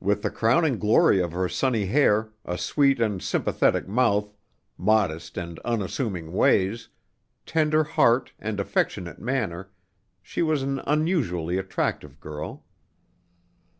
With the crowning glory of her sunny hair, a sweet and sympathetic mouth, modest and unassuming ways, tender heart and affectionate manner, she was an unusually attractive girl.